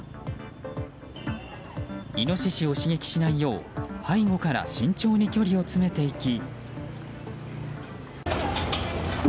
イノシシを刺激しないよう背後から慎重に距離を詰めていき。